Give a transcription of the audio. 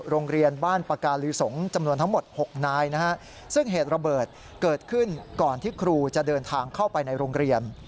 โรงเรียนบ้านปากาลือสงฆ์จำนวนทั้งหมด๖นายนะฮะซึ่งเหตุระเบิดเกิดขึ้นก่อนที่ครูจะเดินทางเข้าไปในโรงเรียน